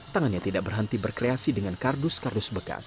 tangannya tidak berhenti berkreasi dengan kardus kardus bekas